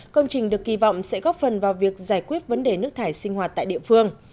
công trình được kỳ vọng sẽ góp phần vào việc giải quyết vấn đề nước thải sinh hoạt tại địa phương